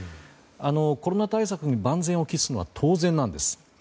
コロナ対策に万全を期すのは当然なんです。